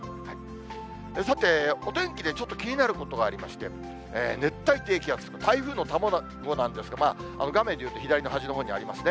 さて、お天気でちょっと気になることがありまして、熱帯低気圧、台風の卵なんですが、画面で言うと、左の端のほうにありますね。